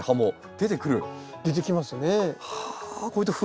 出てきますね。